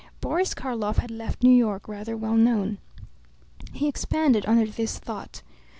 Boris Karlov had left New York rather well known. He expanded under this thought.